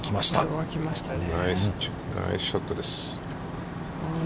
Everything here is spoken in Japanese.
ナイスショットですね。